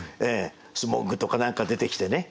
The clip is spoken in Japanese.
スモッグとか何か出てきてね。